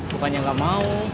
bukannya nggak mau